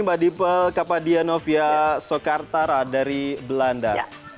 mbak dipel kapandianovia sokartara dari belanda